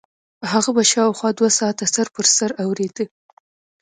هغه به شاوخوا دوه ساعته سر په سر اورېده.